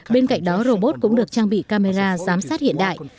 bên cạnh đó robot cũng được trang bị camera giám sát hiện đại